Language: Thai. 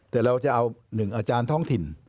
แต่เราจะเอา๑อาจารย์ท้องถิ่น